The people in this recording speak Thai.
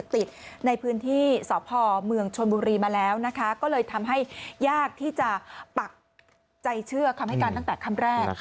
แต่คำแรกค่ะ